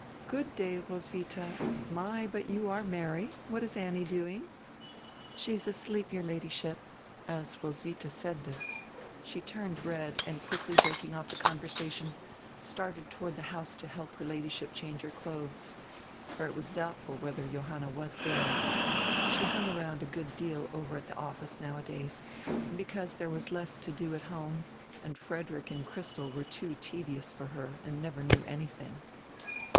"Good day, Roswitha, my, but you are merry. What is Annie doing?" "She is asleep, your Ladyship." As Roswitha said this she turned red and quickly break ing off die conversation, started toward the house to help her Ladyship change her clothes. For it was doubtful whether Johanna was there. She hung around a good deal over at the "office" nowadays, because there was less to do at home and Frederick and Christel were too tedious for her and never knew anything.